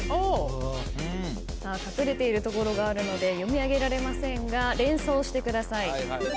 隠れているところがあるので読み上げられませんが連想してください。